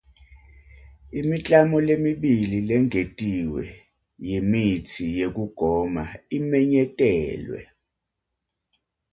Imiklamo lemibili lengetiwe yemitsi yekugoma imenyetelwe.